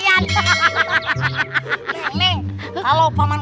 apa misalnya baru pujian